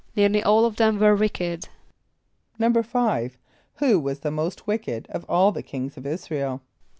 =Nearly all of them were wicked.= =5.= Who was the most wicked of all the kings of [)I][s+]´ra el?